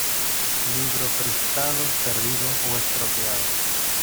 Libro prestado, perdido o estropeado.